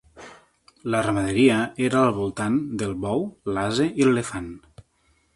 La ramaderia era al voltant del bou, l'ase i l'elefant.